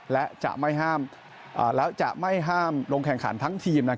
และจะไม่ห้ามลงแข่งขันทั้งทีม